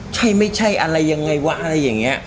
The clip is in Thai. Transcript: ใช่ไม่ใช่อะไรยังไงวะอะไรอย่างนี้